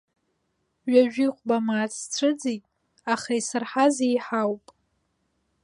Ҩажәихәба мааҭ сцәыӡит, аха исырҳаз еиҳауп.